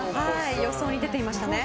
予想に出てましたね。